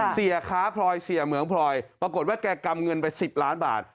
เสียค้าพลอยเสียเหมืองพลอยปรากฏว่าแกกำเงินไป๑๐ล้านบาท